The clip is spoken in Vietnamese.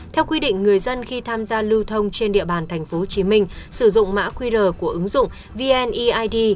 theo quy định người dân khi tham gia lưu thông trên địa bàn tp hcm sử dụng mã qr của ứng dụng vneid